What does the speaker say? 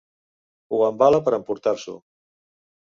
Ho embala per emportar-s'ho.